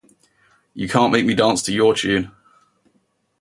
You can't make me dance to your tune.